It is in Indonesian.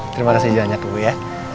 terima kasih juga anak bu ya